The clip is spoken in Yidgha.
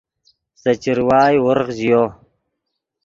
سے چروائے ورغ ژیو